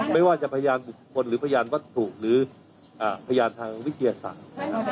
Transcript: ไม่ว่าจะพยานบุคคลหรือพยานวัตถุหรือพยานทางวิทยาศาสตร์นะครับ